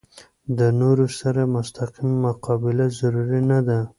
د نورو سره مستقیمه مقابله ضروري نه ده.